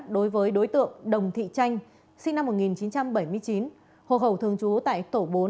đối với đối tượng đồng thị tranh sinh năm một nghìn chín trăm bảy mươi chín hộ khẩu thường trú tại tổ bốn